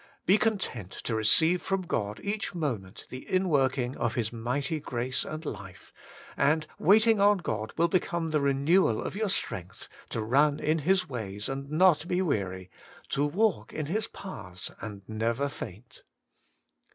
Be con tent to receive from God each moment the inworking of His mighty grace and life, and waiting on God will become the renewal of your strength to run in His ways and not be weary, to walk in His paths and never faint.